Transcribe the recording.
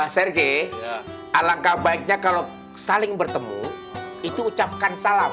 serge alangkah baiknya kalau saling bertemu itu ucapkan salam